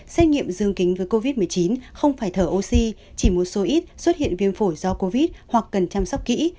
xét nghiệm dương tính với covid một mươi chín không phải thở oxy chỉ một số ít xuất hiện viêm phổi do covid hoặc cần chăm sóc kỹ